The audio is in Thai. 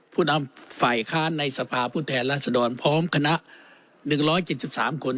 ผู้นำฝ่ายค้าในสภาผู้แทนรัศดรพร้อมคณะหนึ่งร้อยเจ็ดสิบสามคน